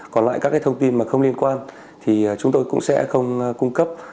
còn lại các cái thông tin mà không liên quan thì chúng tôi cũng sẽ không cung cấp